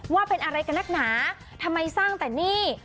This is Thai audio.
ว่าเป็นอะไรกับนักหนาทำไมสร้างแต่นี่